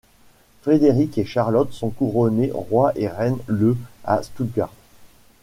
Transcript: Frédéric et Charlotte sont couronnés roi et reine le à Stuttgart.